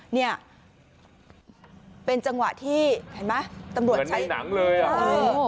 เนี่ยเป็นจังหวะที่เหมือนมีหนังเลยอะ